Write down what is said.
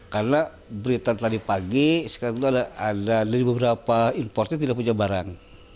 karena berita tadi pagi beberapa impor tidak punya barang